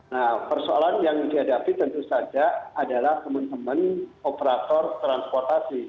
nah persoalan yang dihadapi tentu saja adalah teman teman operator transportasi